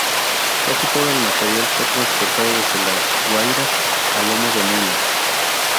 Casi todo el material fue transportado desde La Guaira a lomo de mulas.